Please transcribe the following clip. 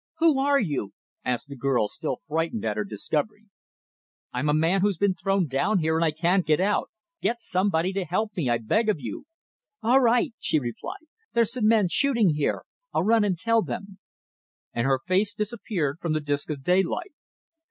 "Who are you?" asked the girl, still frightened at her discovery. "I'm a man who's been thrown down here, and I can't get out. Get somebody to help me, I beg of you!" "All right!" she replied. "There's some men, shooting here. I'll run and tell them." And her face disappeared from the disc of daylight.